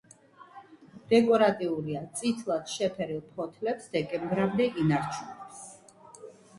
დეკორატიულია, წითლად შეფერილ ფოთლებს დეკემბრამდე ინარჩუნებს.